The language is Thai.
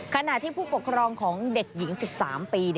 ขณะที่ผู้ปกครองของเด็กหญิง๑๓ปี